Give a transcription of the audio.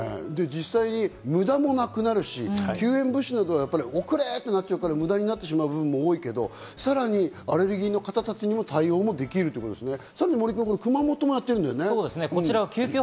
実際に無駄もなくなるし、救援物資などはやっぱり、送れってなっちゃうと、無駄になってしまう部分も多いけど、さらにアレルギーの方たちにも対応もできるということですね。